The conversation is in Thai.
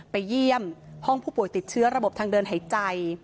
ไปเยี่ยมห้องผู้ป่วยติดเชื้อระบบทางเดินหายใจ